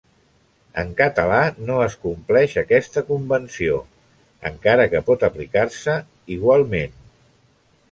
En català no es compleix aquesta convenció, encara que pot aplicar-se igualment.